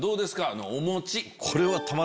あのお餅。